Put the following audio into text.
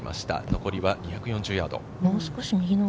残りは２４０ヤード。